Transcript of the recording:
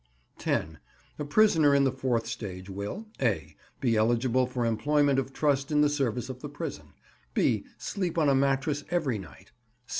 10. A prisoner in the fourth stage will— (a) Be eligible for employment of trust in the service of the prison. (b) Sleep on a Mattress every night.